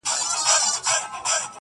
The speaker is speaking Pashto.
د بني اسرائيلو اسباط ته وحيي سوي دي.